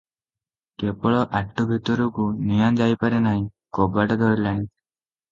କେବଳ ଆଟୁ ଭିତରକୁ ନିଆଁ ଯାଇପାରି ନାହିଁ, କବାଟ ଧରିଲାଣି ।